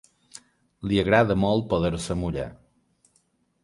Li agrada molt poder-se mullar.